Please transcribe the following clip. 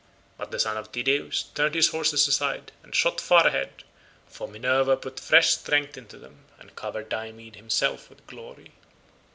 But the son of Tydeus turned his horses aside and shot far ahead, for Minerva put fresh strength into them and covered Diomed himself with glory.